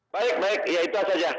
baik baik ya itu saja